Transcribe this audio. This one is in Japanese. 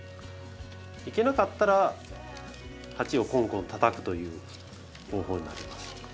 いけなかったら鉢をコンコンたたくという方法になります。